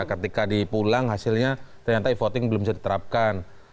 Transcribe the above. ketika dipulang hasilnya ternyata e voting belum bisa diterapkan